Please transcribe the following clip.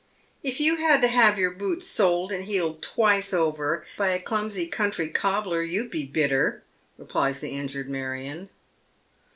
" If you had to have your boots soled and heeled twice over '^y a clumsy country cobbler you'd be bitter," repUes the injured Marion.